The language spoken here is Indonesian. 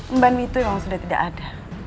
emban itu memang sudah tidak ada